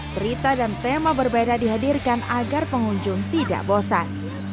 cerita dan tema berbeda dihadirkan agar pengunjung tidak bosan